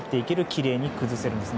きれいに崩せるんです。